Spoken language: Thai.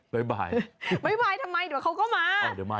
เบ้ยบายไม่ยังก็เขาก็มา